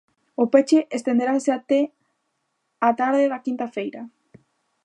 O peche estenderase até a tarde da quinta feira.